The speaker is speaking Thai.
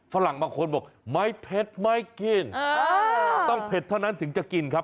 ฝรั่งบางคนบอกไม่เผ็ดไม่กินต้องเผ็ดเท่านั้นถึงจะกินครับ